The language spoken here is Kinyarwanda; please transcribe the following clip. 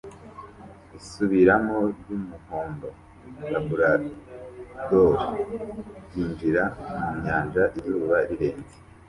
Isubiranamo ry'umuhondo Labrador ryinjira mu nyanja izuba rirenze